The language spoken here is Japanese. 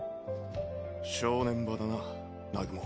正念場だな南雲。